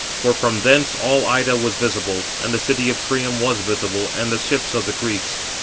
For from thence all Ida was visible, and the city of Priam was visible, and the ships of the Greeks.